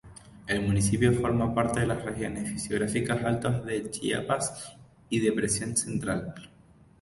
El municipio forma parte de las regiones fisiográficas Altos de Chiapas y Depresión Central.